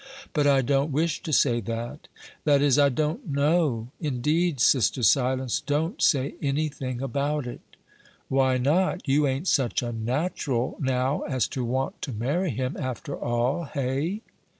"But I don't wish to say that that is I don't know indeed, sister Silence, don't say any thing about it." "Why not? You ain't such a natural, now, as to want to marry him, after all, hey?"